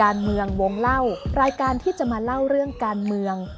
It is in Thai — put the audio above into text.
รายการที่จะมาเล่าเรื่องการเมือง